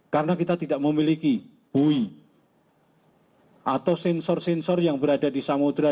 karena kita tidak memiliki buoy atau sensor sensor yang berada di samudera